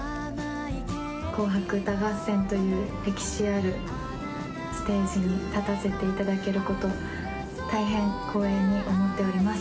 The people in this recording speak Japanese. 紅白歌合戦という歴史あるステージに立たせていただけること、大変光栄に思っております。